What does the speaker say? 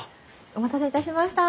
お待たせいたしました。